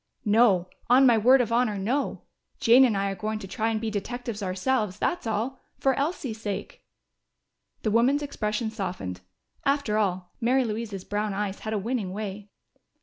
"No. On my word of honor, no! Jane and I are going to try to be detectives ourselves, that's all. For Elsie's sake." The woman's expression softened. After all, Mary Louise's brown eyes had a winning way.